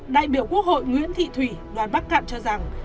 đại biểu quốc hội nguyễn thị thủy đoàn bắc cạn cho rằng